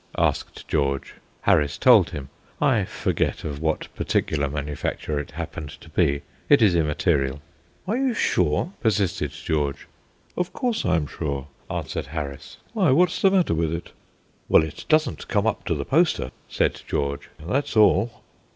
asked George. Harris told him. I forget of what particular manufacture it happened to be; it is immaterial. "Are you sure?" persisted George. "Of course I am sure," answered Harris. "Why, what's the matter with it?" "Well, it doesn't come up to the poster," said George, "that's all."